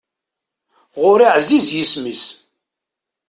Ɣur-i ɛziz yisem-is.